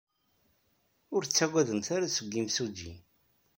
Ur ttaggademt ara seg yimsujji.